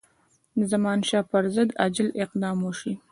د زمانشاه پر ضد عاجل اقدام وشي.